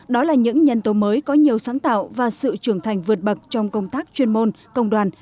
đó là những nhân tố mới có nhiều sáng tạo và sự trưởng thành vượt bậc trong công tác chuyên môn công đoàn